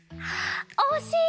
おしい。